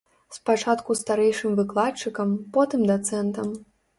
Спачатку старэйшым выкладчыкам, потым дацэнтам.